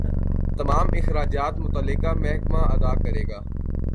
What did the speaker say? تمام اخراجات متعلقہ محکمہ ادا کرے گا